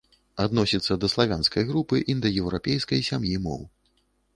Адносіцца да славянскай групы індаеўрапейскай сям'і моў.